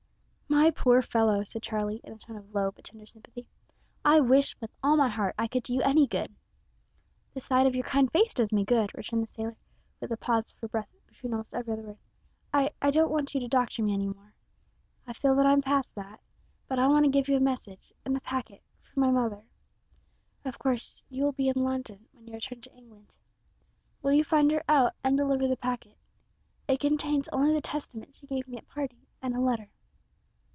"My poor fellow," said Charlie, in a tone of low but tender sympathy, "I wish with all my heart I could do you any good." "The sight of your kind face does me good," returned the sailor, with a pause for breath between almost every other word. "I don't want you to doctor me any more. I feel that I'm past that, but I want to give you a message and a packet for my mother. Of course you will be in London when you return to England. Will you find her out and deliver the packet? It contains only the Testament she gave me at parting and a letter."